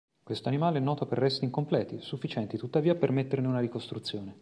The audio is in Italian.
Questo animale è noto per resti incompleti, sufficienti tuttavia a permetterne una ricostruzione.